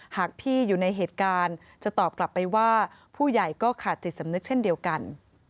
หากพี่อยู่ในเหตุการณ์จะตอบกลับไปว่าผู้ใหญ่ก็ขาดจิตสำนึกเช่นเดียวกัน